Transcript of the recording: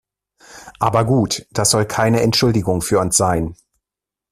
Aber gut, das soll keine Entschuldigung für uns sein.